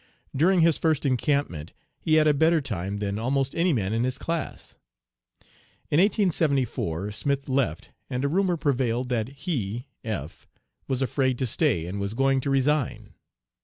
During his first encampment he had a better time than almost any man in his class. In 1874 Smith left, and a rumor prevailed that he (F ) was afraid to stay and was going to resign.